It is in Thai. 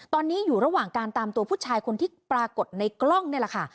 ตอนนี้อยู่ระหว่างการตามตัวผู้ชายคนที่ปรากฏในกล้องนี่แหละค่ะ